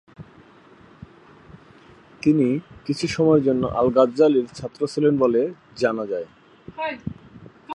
তিনি কিছু সময়ের জন্য আল-গাজ্জালির ছাত্র ছিলেন বলে জানা যায়।